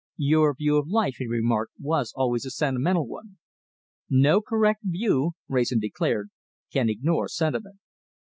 "Your view of life," he remarked, "was always a sentimental one." "No correct view," Wrayson declared, "can ignore sentiment."